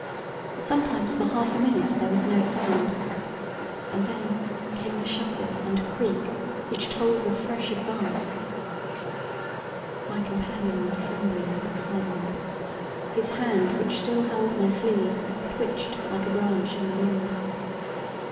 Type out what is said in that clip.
Sometimes for half a minute there was no sound, and then came the shuffle and creak which told of a fresh advance. My companion was trembling with excitement. His hand, which still held my sleeve, twitched like a branch in the wind.